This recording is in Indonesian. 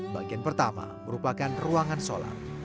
bagian pertama merupakan ruangan solar